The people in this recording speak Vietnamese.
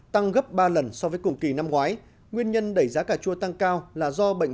tăng gấp ba lần so với cùng kỳ năm ngoái nguyên nhân đẩy giá cà chua tăng cao là do bệnh